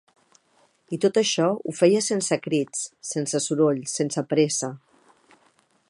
I tot això ho feia sense crits, sense soroll, sense pressa